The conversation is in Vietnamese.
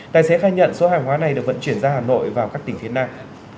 tài xế khai nhận số hàng hóa này được vận chuyển ra hà nội vào các tỉnh phía nam